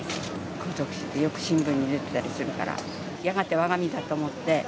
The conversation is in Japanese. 孤独死ってよく新聞に出てたりするから、やがてわが身だと思って。